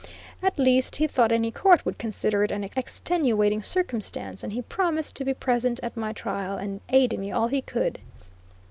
At least, he thought any court would consider it an extenuating circumstance, and he promised to be present at my trial and aid me all he could.